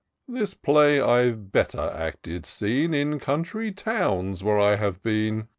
This play I've better acted seen In country towns where I have been.